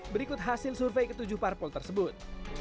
berikut hasil survei ketujuh parpol tersebut